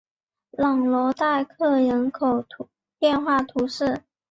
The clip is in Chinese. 朗罗代克人口变化图示